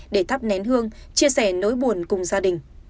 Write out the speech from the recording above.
để thắp nén hương chia sẻ nỗi buồn cùng gia đình